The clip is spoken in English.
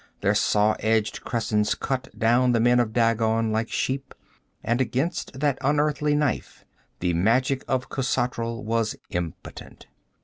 Their saw edged crescents cut down the men of Dagon like sheep, and against that unearthly knife the magic of Khosatral was impotent.